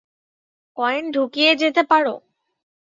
Coin ঢুকিয়ে যেতে পারো।